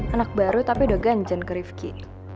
anak baru tapi udah ganjan ke rifki